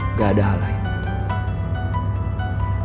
nggak ada hal lain